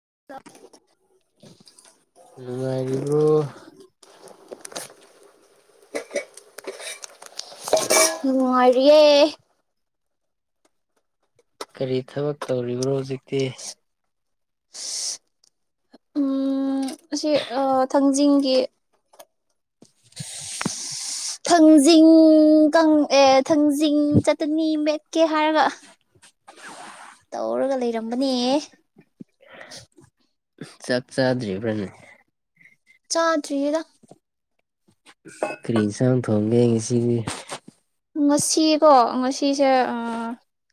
[unintelligible] ꯅꯨꯡꯉꯥꯏꯔꯤꯕ꯭ꯔꯣ ꯅꯨꯡꯉꯥꯏꯔꯤꯌꯦ ꯀꯔꯤ ꯊꯕꯛ ꯇꯧꯔꯤꯕꯅꯣ ꯍꯧꯖꯤꯛꯇꯤ ꯎꯝ ꯑꯁꯤ ꯑ ꯊꯥꯡꯖꯤꯡꯒꯤ ꯊꯪꯖꯤꯡ ꯀꯥꯡ ꯑꯦ ꯊꯥꯡꯖꯤꯡ ꯆꯠꯇꯅꯤ ꯃꯦꯛ ꯀꯦ ꯍꯥꯏꯔꯒ ꯇꯧꯔꯒ ꯂꯩꯔꯝꯕꯅꯦ ꯎꯝꯁ ꯆꯥꯛ ꯆꯥꯗ꯭ꯔꯤꯕ꯭ꯔꯥꯅꯦ ꯆꯥꯗ꯭ꯔꯤꯌꯦꯗ ꯀ꯭ꯔꯤꯏꯟꯁꯥꯡ ꯊꯣꯡꯒꯦ ꯉꯁꯤꯒꯤ ꯉꯁꯤꯀꯣ ꯑ ꯉꯁꯤꯁꯦ ꯑ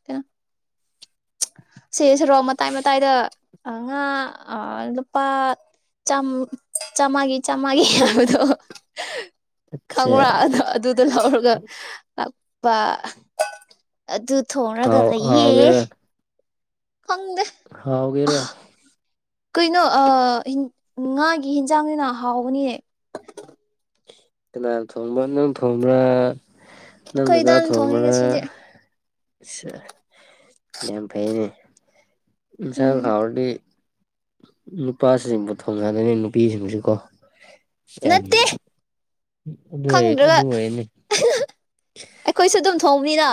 ꯀꯩꯅꯣ ꯁꯤ ꯁꯣꯔꯣꯛ ꯃꯇꯥꯏ ꯃꯇꯥꯏꯗ ꯑ ꯉꯥ ꯑ ꯂꯨꯄꯥ ꯆꯥꯝꯃ ꯆꯥꯝꯃꯥꯒꯤ ꯆꯥꯝꯃꯥꯒꯤ ꯍꯤ ꯍꯥꯏꯕꯗꯣ ꯈꯪꯕ꯭ꯔꯥ ꯆꯥ ꯑꯗꯨ ꯑꯗꯨꯗꯣ ꯂꯧꯔꯒ ꯂꯥꯛ ꯄꯥ ꯑꯍ ꯑꯗꯨ ꯊꯣꯡꯔꯒ ꯍꯥꯎ ꯂꯩꯌꯦ ꯈꯪꯗꯦ ꯍꯥꯎꯒꯦꯔ ꯀꯩꯅꯣ [unintelligible] ꯉꯥꯒꯤ ꯌꯦꯟꯁꯥꯡꯅꯤꯅ ꯍꯥꯎꯕꯅꯤ ꯀꯩꯅ ꯊꯣꯝꯕ ꯅ ꯊꯣꯝꯕꯔꯥ ꯅꯪꯗꯗ ꯀꯩꯗꯥꯅ ꯊꯣ ꯊꯣꯡꯉꯦ [unintelligible] ꯉꯁꯤꯗꯤ [unintelligible] ꯌꯥꯝ ꯐꯩꯅꯦ ꯁ ꯎꯝ ꯍꯥꯑꯣꯔ ꯗꯤ ꯅꯨꯄꯥꯁꯤꯡꯕꯨ ꯊꯣꯡꯉꯗꯅꯤ ꯅꯨꯄꯤꯁꯤꯡꯁꯤꯀꯣ ꯀ ꯅꯠꯇꯦ ꯑꯗꯨ ꯈꯪꯗ꯭ꯔꯒ ꯑꯗꯨ ꯑꯣꯏꯅꯤ ꯑꯩꯈꯣꯏꯁꯨ ꯑꯗꯨꯝ ꯊꯧꯕꯤꯔ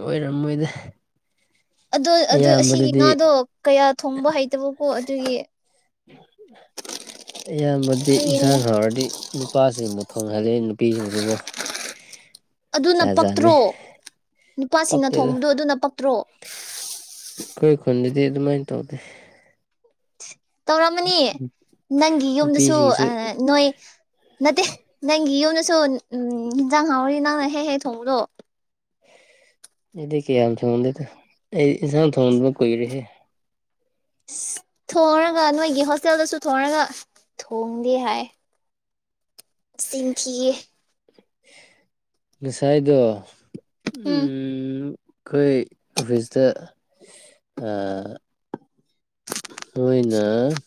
ꯑꯣꯏꯔꯝꯃꯣꯏꯗ ꯑꯗꯣ ꯑꯗꯨ ꯑꯁꯤꯒꯤ ꯑꯌꯥꯝꯕꯗꯗꯤ ꯉꯥꯗꯣ ꯀꯌꯥ ꯊꯣꯡꯕ ꯍꯩꯇꯕꯀꯣ ꯑꯗꯨꯒꯤ ꯑꯌꯥꯝꯕꯗꯤ ꯌꯦꯟꯁꯥꯡ ꯑꯗꯨꯒꯤꯅꯤꯗ ꯈꯔꯗꯤ ꯅꯨꯄꯥꯁꯤꯡꯕꯨ ꯊꯣꯡꯍꯜꯂꯤ ꯅꯨꯄꯤꯁꯤꯡꯁꯨꯀꯣ ꯑꯗꯨꯅ ꯖꯥꯠ ꯖꯥꯠꯅꯤ ꯄꯛꯇ꯭ꯔꯣ ꯅꯨꯄꯥꯁꯤꯡꯅ ꯄꯛꯇꯦꯗ ꯊꯣꯡꯕꯗꯣ ꯑꯗꯨꯅ ꯄꯛꯇ꯭ꯔꯣ ꯑꯗꯨꯗꯤ ꯑꯗꯨꯃꯥꯏꯅ ꯇꯧꯗꯦ [inaudible] ꯇꯧꯔꯝꯃꯅꯤ ꯅꯪꯒꯤ ꯌꯨꯝꯗꯁꯨ ꯅꯨꯄꯤꯁꯤꯡꯁꯨ ꯅꯣꯏ ꯅꯠꯇꯦ ꯅꯪꯒꯤ ꯌꯧꯅꯁꯨꯣ ꯎꯝ ꯌꯦꯟꯖꯥꯡ ꯍꯥꯡꯔꯤ ꯅꯪꯅ ꯍꯦꯛ ꯍꯦꯛ ꯊꯣꯡꯕꯗꯣ ꯏꯗꯤ ꯀꯌꯥ ꯌꯥꯝ ꯊꯣꯟꯗ ꯏꯟꯁꯥꯡ ꯊꯣꯡ ꯀꯣꯏ ꯔꯦ ꯊꯣꯡꯔꯒ ꯅꯣꯏꯒꯤ ꯍꯣꯁꯇꯦꯜꯗꯁꯨ ꯊꯣꯡꯉꯒ ꯊꯣꯡꯗꯦ ꯍꯥꯏ ꯁꯤꯡꯈꯤꯌꯦ ꯉꯁꯥꯏꯗ ꯎꯝ ꯎꯝ ꯑꯩꯈꯣꯏ ꯑꯣꯐꯤꯁꯇ [unintelligible] ꯃꯣꯏꯅ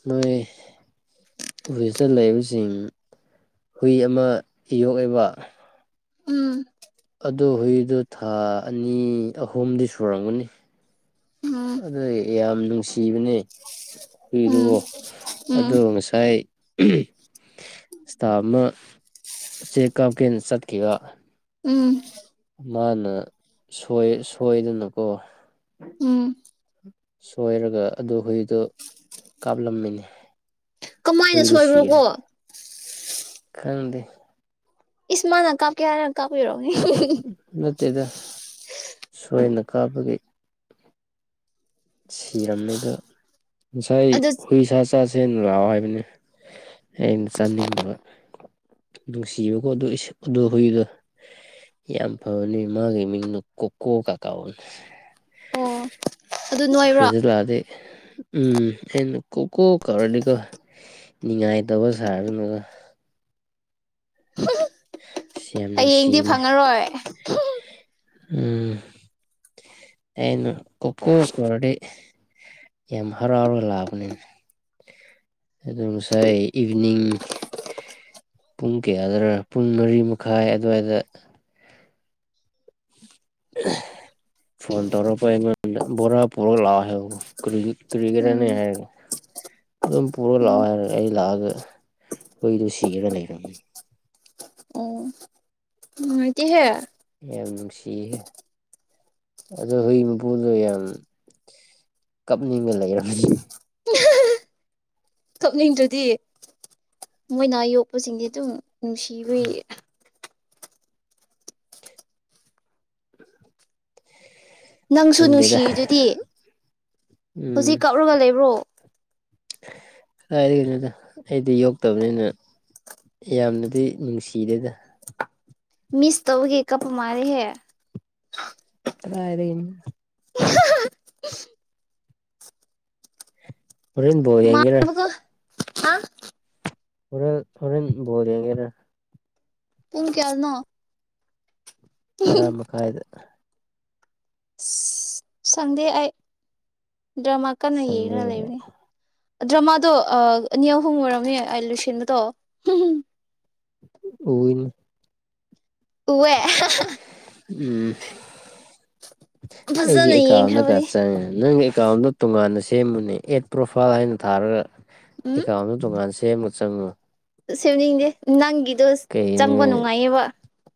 ꯃꯣꯏ ꯑꯣꯐꯤꯁꯇ ꯂꯩꯕꯁꯤꯡ ꯍꯨꯏ ꯑꯃ ꯌꯣꯛꯏꯕ ꯎꯝ ꯑꯗꯨ ꯍꯨꯏꯗꯨꯣ ꯊꯥ ꯑꯅꯤ ꯑꯍꯨꯝꯗꯤ ꯁꯨꯔꯝꯒꯅꯤ ꯎꯝ ꯑꯗꯨꯗꯣ ꯌꯥꯝ ꯀꯤꯕꯅꯦ ꯎꯝ ꯍꯨꯏꯗꯨꯕꯣ ꯎꯝ ꯑꯗꯣ ꯉꯁꯥꯏ ꯎꯝ ꯏꯁꯇꯥꯃ ꯎꯆꯦ ꯀꯞ ꯀ ꯁꯠꯀ ꯎꯝ ꯃꯥꯅ ꯁꯣꯏꯗꯅꯀꯣ ꯎꯝ ꯁꯣꯏꯔꯒ ꯑꯗꯨ ꯍꯨꯏꯗꯣ ꯀꯥꯞꯂꯝꯃꯤꯅꯤ ꯀꯃꯥꯏꯅ ꯍꯨꯏꯗꯨ ꯁꯤꯔꯦ ꯁꯣꯏꯕ꯭ꯔꯣꯀꯣ ꯈꯪꯗꯦ ꯏꯁꯃꯥ ꯅꯛꯀꯥꯞ ꯀꯌꯥꯔ ꯅꯀꯥ ꯑꯣꯏꯔ ꯇꯗ ꯁꯣꯏꯅ ꯀꯥꯕꯒꯤ ꯁꯤꯔꯝꯗ ꯉꯁꯥꯏ ꯑꯗꯨ ꯍꯨꯏꯁꯖ ꯆꯆꯥꯁꯦ ꯂꯥꯛꯑꯣ ꯍꯥꯏꯕꯅꯤ ꯑꯩꯅ ꯆꯥꯅꯤꯡꯗꯕ ꯅꯨꯡꯁꯤꯕꯀꯣ ꯑꯗꯨ ꯍꯨꯏꯗꯣ ꯌꯥꯝ ꯐꯕꯅꯤ ꯃꯥꯒꯤ ꯃꯤꯡꯗꯨ ꯀꯣꯀꯣ ꯀꯥꯀꯥꯅꯤ ꯑꯣ ꯑꯗꯨ ꯅꯣꯏꯕ꯭ꯔꯣ ꯐꯤꯖ ꯂꯗ ꯎꯝ ꯑꯩꯅ ꯀꯣꯛ ꯀꯣꯛ ꯀꯧꯔꯗꯤꯀꯣ ꯉꯥꯏꯇꯕ ꯁꯥꯔꯅꯒ [inaudible] ꯍꯌꯦꯡꯗꯤ ꯅꯨꯡꯁꯤꯅꯦ ꯐꯪꯉꯔꯣꯏ ꯎꯝ ꯑꯩꯅ ꯀꯣꯀꯣꯁ ꯑꯣꯗꯔꯗꯤ ꯌꯥꯝ ꯍꯔꯥꯎꯔꯒ ꯂꯥꯛꯑꯕꯅꯤꯅ ꯑꯗꯨ ꯉꯁꯥꯏ ꯏꯚꯤꯅꯤꯡ ꯄꯨꯡ ꯀꯌꯥꯗ ꯄꯨꯡ ꯃꯔꯤ ꯃꯈꯥꯏ ꯑꯗꯨꯋꯥꯏꯗ ꯐꯣꯟ ꯇꯧꯔꯛꯄ ꯑꯩꯉꯣꯟꯗ ꯕꯣꯔꯥ ꯄꯨꯔꯛ ꯂꯥꯛꯑꯣ ꯍꯥꯏ ꯀꯨꯔꯤꯒꯦꯔꯅꯤ ꯎꯝ ꯍꯥꯏꯔꯒ ꯑꯗꯨꯝ ꯄꯨꯔ ꯎꯝ ꯂꯥꯛꯑꯣ ꯍꯥꯏꯔꯒ ꯑꯩ ꯂꯥꯛꯑꯒ ꯍꯨꯏꯗꯣ ꯁꯤꯒꯦꯔ ꯂꯩꯔꯝꯅꯤ ꯁꯇ ꯍꯦ ꯌꯥꯝ ꯅꯨꯡꯁꯤꯌꯦ ꯑꯗꯣ ꯍꯨꯖꯤꯏ ꯃꯄꯨꯗꯣ ꯌꯥꯝ ꯀꯞꯅꯤꯡꯉ ꯂꯩꯔꯅꯤ ꯀꯛꯅꯤꯡꯗꯨꯗꯤ ꯃꯣꯏꯅ ꯌꯣꯛꯄꯁꯤꯡꯗꯤ ꯑꯗꯨꯝ ꯅꯨꯡꯁꯤꯕ [unintelligible] ꯅꯪꯁꯨ ꯈꯪꯗꯦꯗ ꯅꯨꯡꯁꯤꯔꯤꯗꯨꯗꯤ ꯍꯧꯖꯤꯛ ꯎꯝ ꯀꯛꯔꯒ ꯂꯩꯕ꯭ꯔꯣ ꯀꯗꯥꯥꯏꯗ ꯀꯩꯅꯣꯗ ꯑꯩꯗꯤ ꯌꯣꯛꯇꯕꯅꯤꯅ ꯌꯥꯝꯅꯗꯤ ꯅꯨꯡꯁꯤꯗꯦꯗ ꯃꯤꯁ ꯇꯧꯒꯦ ꯀꯞ ꯃꯥꯔꯦ ꯍ ꯭ꯔꯗ [inaudible] ꯔꯦꯟ ꯌꯦꯅ ꯃꯥꯟꯕꯒ ꯍꯥ ꯐꯔ ꯐꯣꯔꯦꯟ ꯣꯜ ꯌꯦꯒꯦꯔ ꯄꯨꯡ ꯀꯌꯦꯜꯅ ꯇꯔꯥ ꯃꯈꯥꯏꯗ ꯁꯥꯟꯗꯦꯑ ꯗ꯭ꯔꯃꯥ ꯀꯟꯅ ꯁꯟꯗꯦ ꯌꯦꯡꯅ ꯂꯩꯕꯅꯤ ꯗ꯭ꯔꯃꯥꯗꯣ ꯑꯅꯤ ꯑꯍꯨꯝ ꯑꯣꯏꯔꯝꯅꯤ ꯑꯩ ꯂꯨꯁꯤꯟꯕꯗꯣ ꯎꯅ ꯎꯍ ꯎꯝ ꯑꯩꯒꯤ ꯐꯖꯅ ꯑꯦꯀꯥꯎꯟꯗꯒ ꯌꯦꯡꯈ꯭ꯔꯕꯅꯤ ꯆꯪꯉꯦ ꯅꯪ ꯑꯦꯀꯥꯎꯟꯗꯣ ꯇꯣꯉꯥꯟꯅ ꯁꯦꯝꯕꯅꯦ ꯑꯦꯠ ꯄ꯭ꯔꯣꯐꯥꯏꯜ ꯍꯥꯏꯅ ꯊꯥꯔꯒ ꯎꯝ ꯑꯦꯀ ꯑꯃ ꯇꯀꯥꯟꯁꯤ ꯁꯦꯃ ꯆꯉ ꯁꯤꯕꯅꯤꯗꯦ ꯅꯪꯟ ꯑ ꯆꯪꯝꯕ ꯅꯨꯡꯉꯥꯏꯌꯦꯕ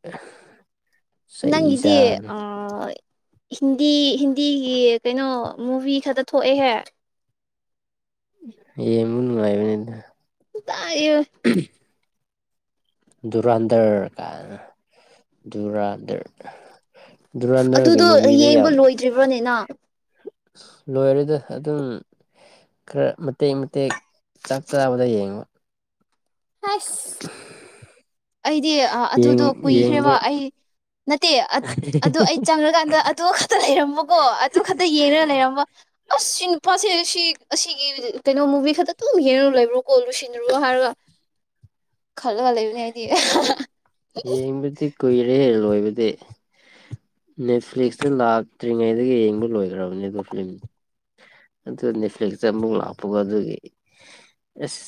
ꯑꯦ ꯅꯪ ꯏꯦ ꯑ ꯍꯤꯟꯗꯤ ꯍꯤꯟꯗꯤꯒꯤ ꯀꯩꯅꯣ ꯃꯨꯚꯤ ꯈꯛꯇ ꯊꯣꯛꯑꯦꯍꯦ ꯌꯦꯃꯅꯅꯨꯡꯉꯥꯏꯅꯤꯗ ꯇꯏꯣ ꯗꯨꯔꯥꯟꯗꯔ ꯀꯥꯏꯅ ꯔꯗꯔ ꯑꯗꯨꯗꯣ ꯌꯦꯡꯕ ꯂꯣꯏꯗ꯭ꯔꯤꯕ꯭ꯔꯅꯤꯅ ꯂꯣꯏꯔꯗ ꯑꯗꯨꯝ ꯈꯔ ꯃꯇꯦꯛ ꯃꯇꯦꯛ ꯆꯥꯛ ꯆꯥꯕꯗ ꯌꯦꯡꯕ ꯑ [inaudible] ꯑꯩꯗꯤ ꯑꯗꯨꯗꯣ ꯀꯨꯏꯈ꯭ꯔꯦꯕ ꯌꯦꯡꯕ ꯑꯩ ꯅꯠꯇꯦ ꯑꯗꯨ ꯑꯩ ꯆꯪꯉꯀꯥꯟꯗ ꯑꯗꯨ ꯈꯛꯇ ꯂꯩꯔꯃꯀꯣ ꯑꯗꯨ ꯈꯛꯇ ꯌꯦꯡꯉꯒ ꯂꯩꯔꯝꯕ ꯑꯁ ꯁꯤ ꯅꯨꯄꯥꯁꯦ ꯁꯤ ꯑꯁꯤꯒꯤ ꯀꯩꯅꯣ ꯃꯨꯚꯤ ꯈꯛꯇꯛꯇꯨ ꯌꯦꯡꯉ ꯂꯩꯕ꯭ꯔꯣ ꯀꯣ ꯂꯨꯁꯤꯜꯂꯨꯔꯣ ꯍꯥꯏꯔꯒ ꯈꯜꯂ ꯋꯥꯂꯦꯅꯦ ꯌꯦꯕꯗꯤ ꯀꯣꯏꯔꯦ ꯂꯣꯏ ꯍꯥꯏꯕꯗꯤ ꯅꯦꯠꯐ꯭ꯂꯤꯛꯁꯇ ꯂꯥꯛꯇ꯭ꯔꯤꯉꯩꯗꯒꯤ ꯌꯦꯡꯕ ꯂꯣꯏꯈ꯭ꯔꯕꯅꯦ ꯑ ꯑꯗꯨ ꯐꯤꯂꯝ ꯑꯗꯨ ꯅꯦꯠꯐ꯭ꯂꯤꯛꯁꯇ ꯑꯃꯨꯛ ꯂꯥꯛꯄꯒ ꯑꯗꯨꯒꯤ ꯑꯁ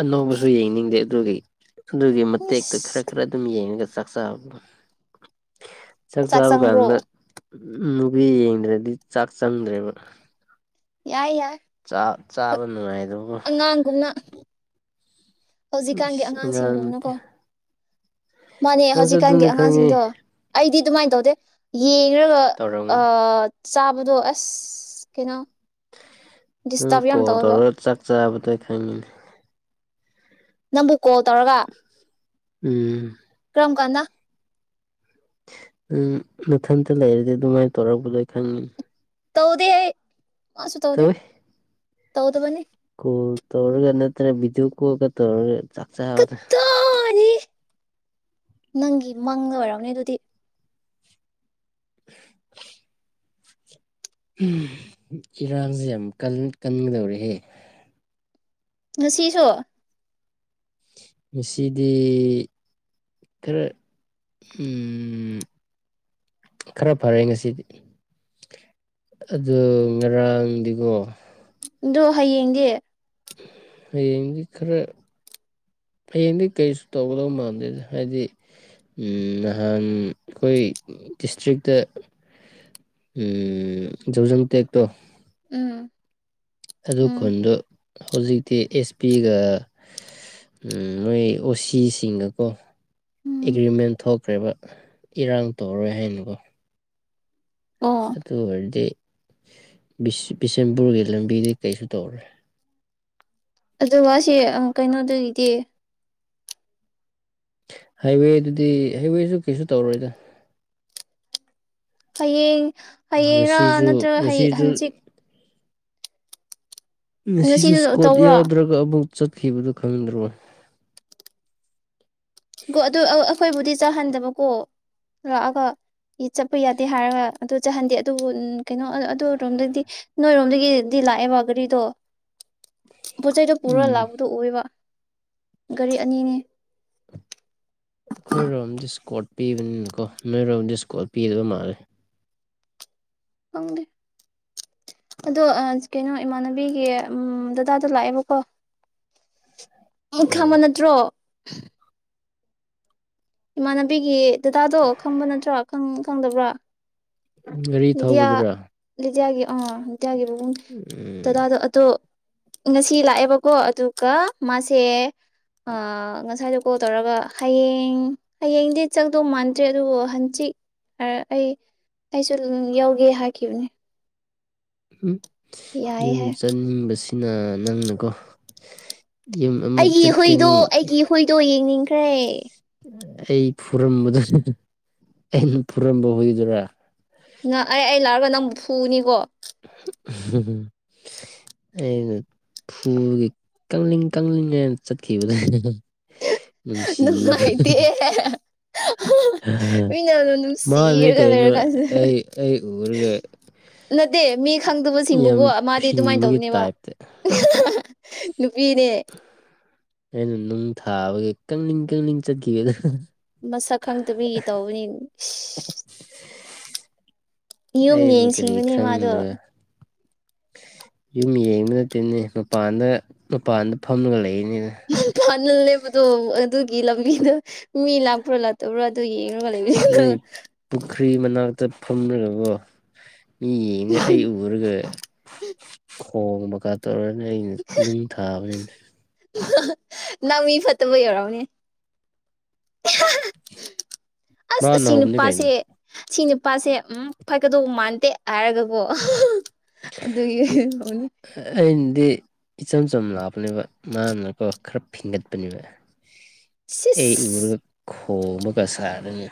ꯑꯅꯧꯕꯁꯨ ꯌꯦꯡꯅꯤꯡꯗꯦ ꯑꯗꯨꯒꯤ ꯑꯗꯨꯒꯤ ꯃꯇꯦꯛꯇꯣ ꯈꯔ ꯏꯁ ꯈꯔ ꯑꯗꯨꯝ ꯌꯦꯡꯉꯒ ꯁꯛꯁ ꯆꯥꯛ ꯆꯥꯕ ꯀꯥꯟꯗ ꯎꯝ ꯅꯨꯄꯤ ꯌꯦꯡꯗ꯭ꯔꯗꯤ ꯆꯥꯛ ꯆꯪꯗ꯭ꯔꯦꯕ ꯌꯥ ꯌꯥ ꯆꯥ ꯆꯥꯕꯉꯥꯏ ꯑꯉꯥꯡꯒꯨꯝꯅ ꯍꯧꯖꯤꯛꯀꯥꯟꯒꯤ ꯏꯁ ꯑꯉꯥꯡ ꯅꯠꯇꯦ ꯑꯉꯥꯡꯁꯤꯡꯗꯨꯅꯀꯣ ꯃꯥꯅꯦ ꯅꯪꯁꯨ ꯍꯧꯖꯤꯛꯀꯥꯟꯒꯤ ꯑꯗꯨꯅꯤ ꯈꯪꯉꯤ ꯑꯉꯥꯡꯁꯤꯡꯗꯣ ꯑꯩꯗꯤ ꯑꯗꯨꯃꯥꯏ ꯇꯧꯗꯦ ꯌꯦꯡꯒ ꯑ ꯇꯧꯔꯝꯒꯅꯤ ꯆꯥꯕꯗꯣ ꯑꯁ ꯀꯩꯅꯣ ꯅꯪ ꯗꯤꯁꯇꯔꯕ ꯌꯥꯝ ꯇꯧꯋꯦꯕ ꯀꯣꯗꯔ ꯆꯥꯛ ꯆꯥꯕꯗ ꯈꯪꯉꯤꯅꯤ ꯅꯝꯕ ꯀꯣꯜ ꯇꯧꯔꯒ ꯎꯝ ꯀꯝ ꯀꯥꯟꯗ ꯎꯝ ꯃꯊꯟꯇ ꯂꯩꯥꯏꯔꯗꯤ ꯑꯗꯨꯃꯥꯏ ꯇꯣꯔꯛꯒ ꯂꯩꯣꯏ ꯈ ꯇꯧꯗꯤ ꯃꯥꯁꯨ ꯇꯧꯗꯦ ꯇꯧꯗꯕꯅꯤ ꯀꯣ ꯇꯧꯔꯒ ꯅꯠꯇ꯭ꯔ ꯖꯨ ꯀꯨꯒ ꯇꯧꯔꯒ ꯆꯥꯛꯆꯥ ꯑꯕꯗ ꯇꯥꯅꯤ ꯅꯪꯒꯤ ꯃꯪ ꯑꯣꯏꯔꯝꯅꯦ ꯑꯗꯨꯗꯤ [unintelligible] ꯏꯔꯥꯟꯁꯦ ꯌꯥꯝ ꯀꯟꯒꯗꯧꯔꯦꯍꯦ ꯉꯁꯤꯁꯨ ꯉꯁꯤꯗꯤ ꯈꯔ ꯈꯔ ꯐꯔꯦ ꯉꯁꯤꯗꯤ ꯑꯗꯨ ꯉꯔꯥꯡꯗꯤꯀꯣ ꯑꯗꯣ ꯍꯌꯦꯡꯒꯤ ꯍꯌꯦꯡꯗꯤ ꯈꯔ ꯍꯌꯦꯡꯗꯤ ꯀꯔꯤꯁꯨ ꯇꯧꯒꯗꯧ ꯃꯥꯟꯗꯦ ꯍꯥꯏꯗꯤ ꯅꯍꯥꯟ ꯑꯩꯈꯣꯏ ꯗꯤꯁꯇ꯭ꯔꯤꯛꯇ ꯌꯖꯖꯝ ꯇꯦꯛꯇꯣ ꯎꯝ ꯑꯗꯨꯗꯨ ꯎꯝ ꯀꯅ ꯍꯧꯖꯤꯛꯇꯤ ꯑꯦꯁ ꯄꯤꯒ ꯅꯣꯏ ꯑꯣ ꯁꯤꯁꯤꯡꯒꯀꯣ ꯎꯝ ꯑꯦꯒ꯭ꯔꯤꯃꯦꯟ ꯍ ꯊꯣꯛꯈ꯭ꯔꯦꯕ ꯏꯔꯥꯡ ꯇꯧꯔꯣꯏ ꯍꯥꯏꯅꯀꯣ ꯑꯣ ꯑꯗꯨ ꯑꯗꯨ ꯋꯥꯗꯤ ꯕꯤꯁꯦꯝꯄꯨꯔꯒꯤ ꯂꯝꯕꯤꯗ ꯀꯔꯤꯁꯨ ꯇꯧꯔꯦ ꯑꯗꯨ ꯃꯥꯁꯦ ꯀꯩꯅꯣꯗꯨꯒꯤꯗꯤ ꯍꯥꯏꯋꯦꯗꯨꯗꯤ ꯍꯥꯏꯋꯦꯁꯨ ꯀꯩꯁꯨ ꯇꯧꯔꯣꯏꯗ ꯍꯌꯦꯡ ꯍꯌꯦꯡꯔꯥ ꯉꯁꯤꯁꯨ ꯅꯠꯇ꯭ꯔꯒ ꯍ ꯉꯁꯤꯁꯨ ꯍꯪꯆꯤꯠ ꯉꯁꯨ ꯉꯁꯤꯁꯨ ꯁ꯭ꯀꯣꯠ ꯇꯧꯔꯣ ꯌꯥꯎꯗ꯭ꯔꯒ ꯑꯃꯨꯛ ꯆꯠꯈꯤꯕꯗꯨ ꯈꯪꯗ꯭ꯔꯣ ꯣ ꯑꯗꯨ ꯑꯩꯈꯣꯏꯕꯨꯗꯤ ꯆꯥꯍꯟꯗꯕꯀꯣ ꯂꯥꯛꯑꯒ ꯆꯠꯄ ꯌꯥꯗꯦ ꯍꯥꯏꯔꯒ ꯑꯗꯨ ꯆꯥꯍꯟꯗꯦ ꯑꯗꯨꯕꯨ ꯀꯩꯅꯣ ꯑꯗꯨꯔꯣꯝꯗꯒꯤꯗꯤ ꯅꯣꯏꯔꯣꯝꯗꯒꯤꯗꯤ ꯂꯥꯛꯑꯦꯕ ꯒꯥꯔꯤꯗꯣ ꯄꯣꯠ ꯆꯩꯩꯗꯨꯣ ꯄꯨꯔ ꯎꯝ ꯂꯥꯛꯄꯗꯣ ꯑꯣꯏꯕ ꯒꯥꯔꯤ ꯑꯅꯤꯅꯦ ꯑꯩꯈꯣꯏꯔꯣꯝ ꯗꯤꯁꯀꯣꯔꯠ ꯄꯤꯕꯅꯤꯅꯀꯣ ꯅꯣꯏꯔꯣꯝ ꯗꯤꯁꯀꯣꯔꯠ ꯄꯤꯗꯕ ꯃꯥꯜꯂꯦ ꯈꯪꯗꯦ ꯑꯗꯣ ꯀꯩꯅꯣ ꯏꯃꯥꯟꯅꯕꯤꯒꯤ ꯗꯗꯥꯗ ꯂꯥꯛꯑꯦꯕꯀꯣ ꯑꯩ ꯈꯃ ꯎꯝ ꯅꯠꯇ꯭ꯔꯣ [inaudible] ꯏꯃꯅꯅꯕꯒꯤ ꯗꯗꯥꯗꯣ ꯈꯪꯕ ꯅꯠꯇ꯭ꯔꯣ ꯆꯪꯗꯕ꯭ꯔꯥ ꯒꯥꯔꯤ ꯊꯧꯕꯗꯨꯔꯥ ꯑ ꯏꯇꯌꯥꯒꯤ ꯃꯕꯨꯡ ꯎꯝ ꯇꯗꯥꯗꯣ ꯑꯇꯣ ꯉꯁꯤ ꯂꯥꯛꯑꯦꯕꯀꯣ ꯑꯗꯨꯒ ꯃꯥꯁꯦ ꯉꯁꯥꯏꯗꯣ ꯀꯣꯜ ꯇꯧꯔꯒ ꯍꯌꯦꯡ ꯍꯌꯦꯡꯗꯤ ꯆꯪꯗꯧ ꯃꯥꯟꯗ꯭ꯔꯦ ꯑꯗꯨꯕꯨ ꯍꯪꯆꯤꯠ ꯑꯩ ꯑꯩ ꯌꯥꯎꯒꯦ ꯍꯥꯏꯈꯤꯕꯅꯦ ꯎꯝ ꯌꯥꯏ ꯌꯨꯝ ꯍꯥꯏ ꯆꯟꯅꯤꯡꯕꯁꯤ ꯁꯤꯅ ꯅꯪꯅꯀꯣ ꯌꯨꯝ ꯑꯃꯨꯛ ꯑꯩꯒꯤꯍꯣꯏꯗꯣ ꯆꯠꯀꯅꯤ ꯑꯩꯒꯤ ꯍꯍꯣꯏꯗꯣ ꯌꯦꯡꯅꯤꯡ ꯇꯦ ꯑꯩ ꯐꯨꯔꯝꯕꯗꯨ ꯑꯩꯅ ꯐꯨꯔꯝꯕ ꯍꯏꯗꯨꯔꯥ ꯅꯪ ꯑꯩ ꯑꯩ ꯂꯥꯛꯔꯒ ꯅꯪꯕꯨ ꯐꯨꯅꯤꯀꯣ ꯎ ꯑꯩꯅ ꯐꯨꯕꯒꯤ ꯀ ꯀꯡꯅ ꯆꯠꯈꯤꯕꯗ ꯅ ꯃꯥꯥꯏꯇ ꯃꯤꯅ ꯑꯗꯨꯝ ꯃꯥꯅꯦ ꯅꯨꯡꯁꯤꯔꯒ ꯂꯩꯔ ꯀꯩꯅꯣ ꯀꯥꯟꯁꯤꯗ ꯑꯩ ꯑꯩ ꯎꯔꯒ ꯅꯠꯇꯦ ꯃꯤ ꯈꯪꯗꯕꯁꯤꯡꯕꯨꯀꯣ ꯌꯥꯝ ꯃꯥꯗꯤ ꯑꯗꯨꯃꯥꯏꯅ ꯐꯤꯡꯕꯒꯤ ꯇꯧꯕꯅꯦꯕ ꯇꯥꯏꯞꯇ ꯅꯨꯄꯤꯅꯦ ꯑꯩꯅ ꯅꯨꯡ ꯊꯥꯕꯒꯤ ꯀꯅꯤꯡꯡ ꯀꯅꯤꯡꯡ ꯆꯠꯈꯤꯕꯦ ꯑꯗꯨ ꯃꯁꯛ ꯈꯪꯗ ꯃꯤꯒꯤ ꯇꯧꯕꯅꯤ ꯌꯨꯝ ꯌꯦꯡ ꯑꯩꯕꯨ ꯀꯔꯤ ꯁꯤꯡꯕꯅꯤ ꯃꯥꯗꯣ ꯈꯪꯗꯕ ꯌꯨꯝ ꯌꯦꯡꯕ ꯅꯠꯇꯦꯅꯦ ꯃꯄꯥꯟꯗ ꯃꯄꯥꯟꯗ ꯐꯝꯂꯒ ꯂꯩ ꯏꯅꯤ ꯜꯅꯦꯕꯗꯣ ꯑꯗꯨꯒꯤ ꯂꯝꯕꯤꯗꯣ ꯃꯤ ꯂꯥꯛꯄ꯭ꯔꯥ ꯂꯥꯛꯇꯕ꯭ꯔꯣ ꯑꯗꯨ ꯌꯦ [unintelligible] ꯆꯞ ꯐꯝꯅꯔꯕꯣ ꯃꯤ ꯌꯦꯡꯉꯒ ꯑꯩ ꯎꯔꯒ ꯀꯣ ꯃꯈꯥ ꯇꯧꯔꯅꯤ ꯑꯩꯅ ꯅꯨꯡ ꯊꯥꯕꯅꯤ ꯅꯃꯤ ꯐꯠꯇꯕ ꯌꯔ ꯑꯃꯅꯤꯅꯦ ꯑꯁ ꯃꯥꯅ ꯑꯁꯤ ꯍꯧꯕꯅꯤ ꯀꯩꯅꯣ ꯅꯨꯄꯥꯁꯦ ꯁꯤ ꯅꯨꯄꯥꯁꯦ ꯎꯝ ꯐꯀꯗꯧꯕ ꯃꯥꯟꯗꯦ ꯍꯥꯏꯔꯒꯀꯣ ꯑꯗꯨꯅꯤ ꯑꯩꯅꯗꯤ ꯏꯆꯝ ꯆꯝ ꯂꯥꯛꯄꯅꯦꯕ ꯃꯥ ꯅꯀ ꯈꯔ ꯐꯤꯡꯒꯠꯄꯅꯦꯕ ꯑꯩ ꯎ꯭ꯔ ꯁꯤꯁ ꯍꯣ ꯃꯒꯁꯥꯏ ꯍꯥꯏꯔꯅꯦ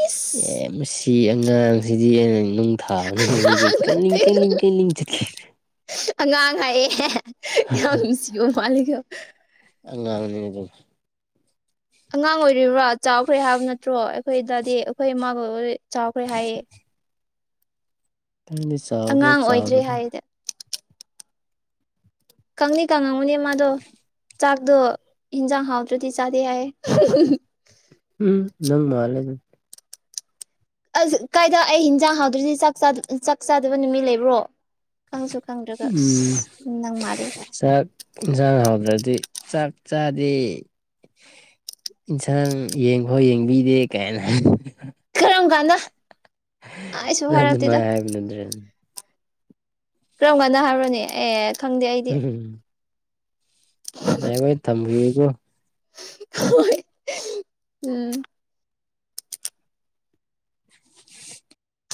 ꯏꯁ ꯑ ꯁꯤ ꯑꯉꯥꯡꯁꯤꯗꯤ ꯑꯩꯅ ꯅꯨꯡ ꯊꯥꯕꯅꯦ ꯀ ꯀ ꯀꯩ ꯑ ꯉꯥꯡ ꯉꯥꯏꯌꯦ ꯌꯥꯝꯅꯨꯡꯁꯤ ꯄꯋꯥꯂꯤ ꯀ ꯑ ꯑꯗꯨ ꯑꯗꯨ ꯑꯉꯥꯡ ꯑꯣꯏꯔꯤꯕ꯭ꯔꯥ ꯆꯥꯎꯈ꯭ꯔꯦ ꯍꯥꯏꯕ ꯅꯠꯇ꯭ꯔꯣ ꯑꯩꯈꯣꯏ ꯗꯥꯗꯤ ꯑꯩꯈꯣꯏ ꯏꯃꯥꯒꯣꯏ ꯑꯣꯏꯕ ꯆꯥꯎꯈ꯭ꯔꯦ ꯍꯥꯏꯌꯦ ꯅꯗꯤ ꯆꯥꯎꯕ꯭ꯔꯥ ꯑꯉꯥꯡ ꯑꯣꯏꯗ꯭ꯔꯦ ꯆꯥꯎꯗꯕ꯭ꯔꯥ ꯍꯥꯏꯗ ꯀꯪꯅꯤ ꯀꯪꯉꯉꯨꯅꯦ ꯃꯥꯗꯣ ꯆꯥꯛꯇꯣ ꯏꯟꯖꯥꯡ ꯍꯥꯎꯗ꯭ꯔꯗꯤ ꯆꯥꯗꯦ ꯍꯥꯏ ꯎꯝ ꯅꯪ ꯃꯥꯂ ꯑ ꯀꯥꯏꯗ ꯑꯩ ꯍꯤꯟꯖꯥꯡ ꯍꯥꯎꯗ꯭ꯔꯤꯁꯤ ꯆꯥꯛ ꯆꯥꯗꯕ ꯅꯨꯃꯤꯠ ꯂꯩꯕ꯭ꯔꯣ ꯈꯪꯁꯨ ꯈꯪꯗ꯭ꯔꯒ ꯎꯝ ꯑꯁ ꯅꯪ ꯃꯥꯜꯂꯦ ꯀꯥꯏ ꯆꯥꯛ ꯆꯒ ꯍꯗ꯭ꯔꯦ ꯆꯥꯛ ꯆꯥꯗꯦ ꯏꯟꯁꯥꯡ ꯌꯦꯡꯐꯥꯎ ꯌꯦꯡꯕꯤꯗꯦ ꯀꯥꯏꯅ ꯆ ꯀꯗ ꯅ ꯑꯗꯨ ꯃꯥꯏ ꯍꯥꯏꯕ ꯅꯠꯇ꯭ꯔꯦ ꯀꯔꯝ ꯀꯥꯟꯅ ꯍꯥꯏꯔꯣꯅꯦ ꯑꯦ ꯈꯪꯗꯦ ꯑꯩꯗꯤ ꯃꯉ ꯊꯝꯕꯤ ꯑ ꯍꯣꯏ ꯎꯝ